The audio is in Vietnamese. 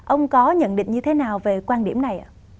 ông có nhận định như thế nào về quan điểm này ạ